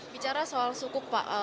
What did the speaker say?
bicara soal sukuk pak